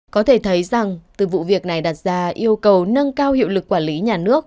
có thể thấy rằng từ vụ việc này đặt ra yêu cầu nâng cao hiệu lực quản lý nhà nước